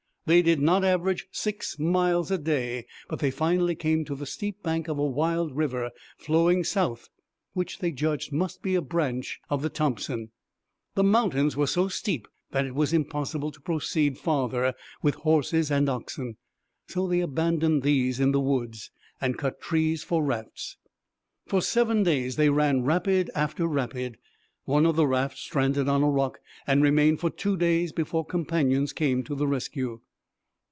They did not average six miles a day; but they finally came to the steep bank of a wild river flowing south which they judged must be a branch of the Thompson. The mountains were so steep that it was impossible to proceed farther with horses and oxen; so they abandoned these in the woods, and cut trees for rafts. For seven days they ran rapid after rapid. One of the rafts stranded on a rock and remained for two days before companions came to the rescue.